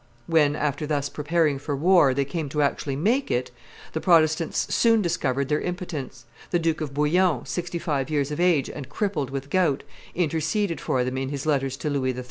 When, after thus preparing for war, they came to actually make it, the Protestants soon discovered their impotence; the Duke of Bouillon, sixty five years of age and crippled with gout, interceded for them in his letters to Louis XIII.